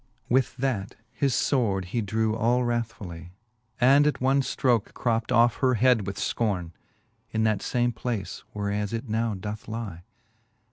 With that his fword he drew all wrathfully, And at one ftroke cropt off her head with Icorne, In that far 3 place whereas it now doth lie.